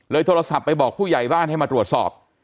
โทรศัพท์ไปบอกผู้ใหญ่บ้านให้มาตรวจสอบ